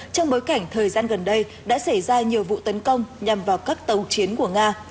trong bối cảnh thời gian gần đây đã xảy ra nhiều vụ tấn công nhằm vào các tàu chiến của nga